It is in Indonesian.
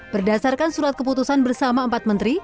berdasarkan surat keputusan bersama empat menteri